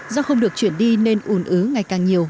do không được chuyển đi nên ùn ứ ngày càng nhiều